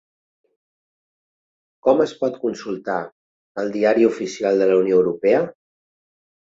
Com es pot consultar el Diari Oficial de la Unió Europea?